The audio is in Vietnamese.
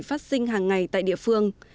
phát sinh hàng ngày tại địa phương